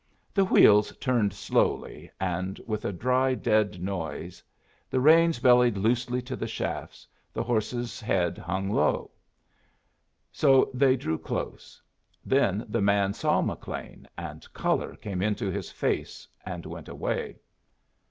The wheels turned slowly and with a dry, dead noise, the reins bellied loosely to the shafts, the horse's head hung low. So they drew close. Then the man saw McLean, and color came into his face and went away.